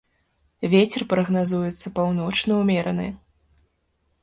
Вецер прагназуецца паўночны ўмераны.